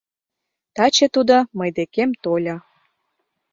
Таче тудо мый декем тольо.